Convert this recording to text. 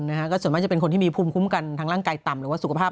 นะฮะก็ส่วนมากจะเป็นคนที่มีภูมิคุ้มกันทางร่างกายต่ำหรือว่าสุขภาพ